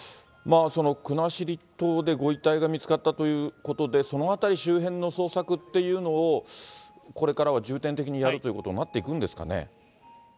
国後島でご遺体が見つかったということで、その辺り周辺の捜索というのを、これからは重点的にやるということになっていくんですかね。